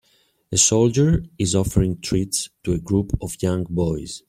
A soldier is offering treats to a group of young boys.